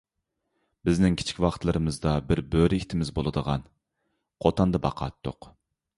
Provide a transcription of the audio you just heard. بىزنىڭ كىچىك ۋاقىتلىرىمىزدا بىر بۆرە ئىتىمىز بولىدىغان، قوتاندا باقاتتۇق.